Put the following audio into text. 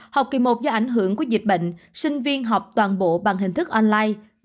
học kỳ một do ảnh hưởng của dịch bệnh sinh viên học toàn bộ bằng hình thức online